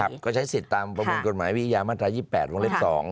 เขาใช้สิทธิ์ตามประมวลกฎหมายวิทยาบัตรฐาน๒๘๒๒